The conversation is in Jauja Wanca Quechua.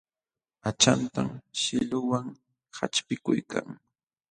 Aqchantan shillunwan qaćhpikuykan.